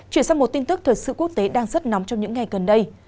chuyển sang một tin tức thời sự quốc tế đang rất nóng trong những ngày gần đây